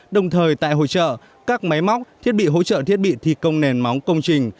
đồng thời tại hội trợ các máy móc thiết bị hỗ trợ thiết bị thi công nền móng công trình